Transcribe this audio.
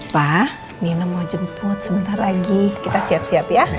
pak nine mau jemput sebentar lagi kita siap siap ya